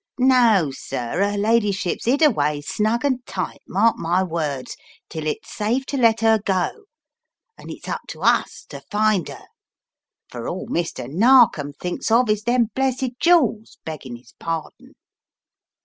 No, sir, 'er ladyship's 'id away snug and tight, mark my words, till it's safe to let 'er go, and it's up to us to find 'er. For all Mr. Narkom thinks of is them blessed jewels, beggin 'is pardon."